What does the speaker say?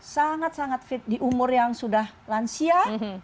sangat sangat fit di umur yang sudah lansia